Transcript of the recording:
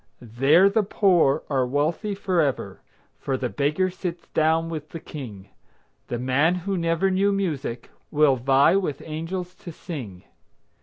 There the poor are wealthy forever, For the beggar sits down with the King. The man who never knew music Will vie with angels to sing.